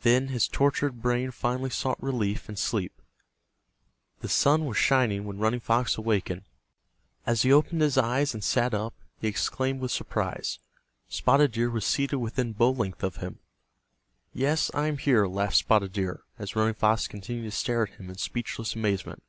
Then his tortured brain finally sought relief in sleep. The sun was shining when Running Fox awakened. As he opened his eyes, and sat up, he exclaimed with surprise. Spotted Deer was seated within bow length of him. "Yes, I am here," laughed Spotted Deer, as Running Fox continued to stare at him in speechless amazement.